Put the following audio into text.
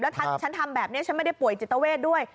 ถ้าฉันทำแบบนี้ฉันไม่ได้ป่วยจิตเวทด้วย